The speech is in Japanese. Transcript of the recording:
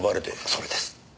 それです。